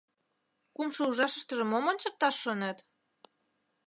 — Кумшо ужашыштыже мом ончыкташ шонет?